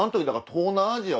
東南アジア。